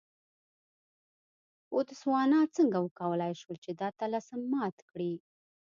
بوتسوانا څنګه وکولای شول چې دا طلسم مات کړي.